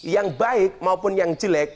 yang baik maupun yang jelek